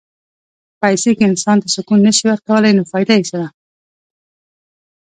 پېسې که انسان ته سکون نه شي ورکولی، نو فایده یې څه ده؟